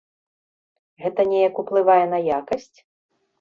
Гэта неяк уплывае на якасць?